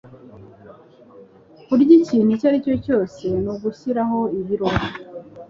kurya ikintu icyo aricyo cyose ni ugushyiraho ibiro.